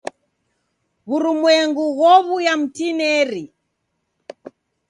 W'urumwengu ghow'uya mtinineri.